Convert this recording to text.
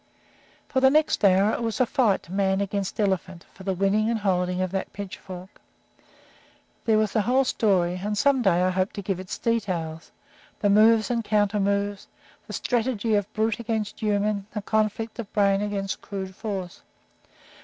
For the next hour it was a fight, man against elephant, for the winning and holding of that pitchfork. There was the whole story, and some day I hope to give its details, the moves and counter moves, the strategy of brute against human, the conflict of brain against crude force.